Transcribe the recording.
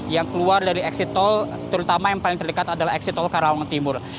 yang keluar dari eksit tol terutama yang paling terdekat adalah eksit tol karawang timur